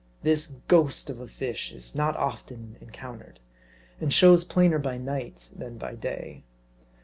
This ghost of a fish is not often encountered, and shows plainer by night than by day.